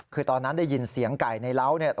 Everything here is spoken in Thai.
คือตอนนั้นได้ยินเสียงไก่ในเล้าเนี่ย